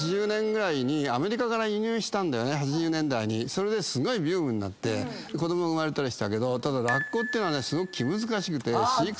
それですごいブームになって子供生まれたりしたけどただラッコっていうのはすごく気難しくて飼育するのは難しい。